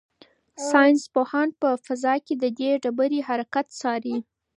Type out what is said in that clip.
ساینس پوهان په فضا کې د دې ډبرې حرکت څاري.